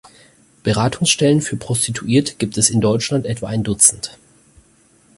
Beratungsstellen für Prostituierte gibt es in Deutschland etwa ein Dutzend.